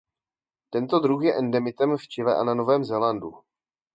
Tento druh je endemitem v Chile a na Novém Zélandu.